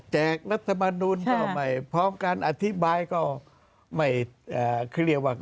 แจกรัฐบาลนุนก็ไม่พร้อมกันอธิบายก็ไม่เคลียร์ว่า